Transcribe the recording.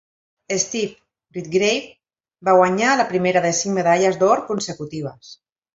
Steve Redgrave va guanyar la primera de cinc medalles d'or consecutives.